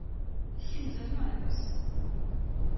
Si nous allions à la poste ?